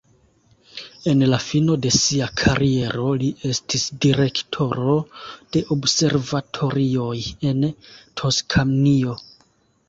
En la fino de sia kariero li estis direktoro de observatorioj en Toskanio.